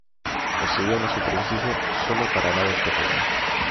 Poseía una superficie solo para naves pequeñas.